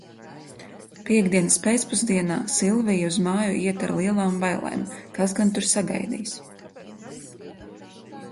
Piektdienas pēcpusdienā Silvija uz māju iet ar lielām bailēm, kas gan tur sagaidīs.